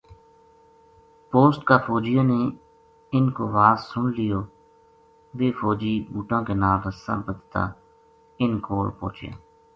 پوسٹ کا فوجیاں نے ان کو واز سن لیو ویہ فوجی بُوٹاں کے نال رساں بدھتا اِنھ کول پوہچیا